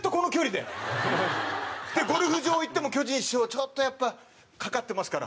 でゴルフ場行っても巨人師匠ちょっとやっぱかかってますから。